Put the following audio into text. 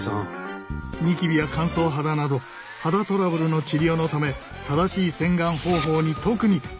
ニキビや乾燥肌など肌トラブルの治療のため正しい洗顔方法に特に力を入れている。